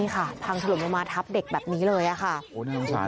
หลายคนหลายคนหลายคน